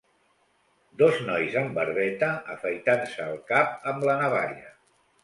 Dos nois amb barbeta afaitant-se el cap amb la navalla.